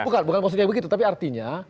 bukan post truthnya begitu tapi artinya